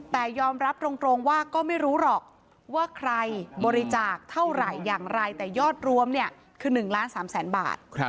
แต่ยอมรับตรงว่าก็ไม่รู้หรอกว่าใครบริจาคเท่าไหร่อย่างไรแต่ยอดรวมเนี่ยคือ๑ล้าน๓แสนบาท